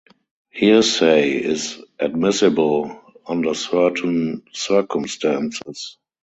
Hearsay is admissible under certain circumstances.